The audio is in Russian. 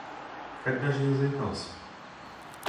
Когда же я заикался?